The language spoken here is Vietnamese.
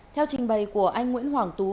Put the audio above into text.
theo trình bày của anh nguyễn hoàng tú